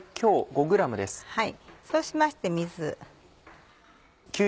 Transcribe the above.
そうしまして水。